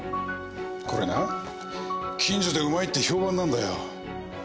これな近所でうまいって評判なんだよ。